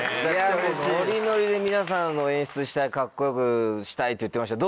・ノリノリで皆さんの演出したいカッコ良くしたいって言ってました。